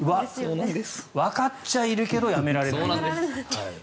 わかっちゃいるけどやめられない。